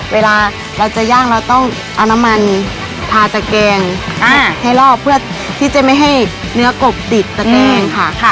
เวลาเราจะย่างเราต้องเอาน้ำมันทาตะแกงให้รอบเพื่อที่จะไม่ให้เนื้อกบติดตะแกงค่ะ